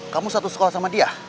kamu satu sekolah sama dia